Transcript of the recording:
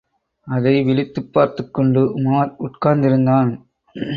அதை விழித்துப் பார்த்துக் கொண்டு உமார் உட்கார்ந்திருந்தான்.